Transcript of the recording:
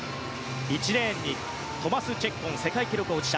１レーン、トマス・チェッコン世界記録保持者。